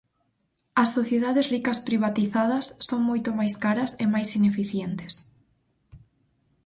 As sociedades ricas privatizadas son moito máis caras e máis ineficientes.